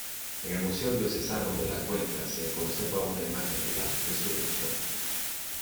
En el Museo Diocesano de Cuenca se conserva una imagen de "La Resurrección".